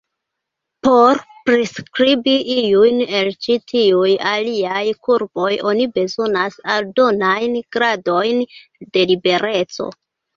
Por priskribi iujn el ĉi tiuj aliaj kurboj, oni bezonas aldonajn gradojn de libereco.